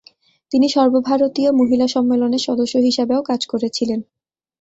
তিনি সর্বভারতীয় মহিলা সম্মেলনের সদস্য হিসাবেও কাজ করেছিলেন।